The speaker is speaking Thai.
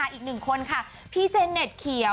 อีกหนึ่งคนค่ะพี่เจเน็ตเขียว